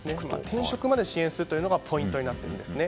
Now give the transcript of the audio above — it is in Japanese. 転職まで支援するのがポイントになっています。